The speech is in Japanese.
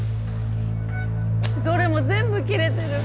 どれも全部切れてる。